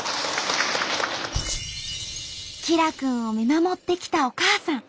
きらくんを見守ってきたお母さん。